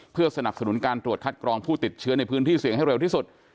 เพื่อสนับสนุนการตรวจคัดกรองผู้ติดเชื้อในพื้นที่เสี่ยงให้เร็วที่สุด